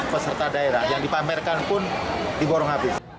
pertanian pertanian sukarman